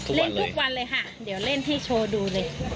เล่นทุกวันเลยค่ะเดี๋ยวเล่นพี่โชว์ดูเลย